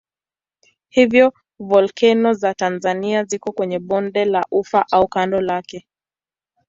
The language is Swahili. Hivyo volkeno za Tanzania ziko kwenye bonde la Ufa au kando lake.